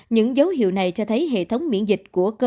những dấu hiệu này cho thấy hệ thống miễn dịch của cơ sở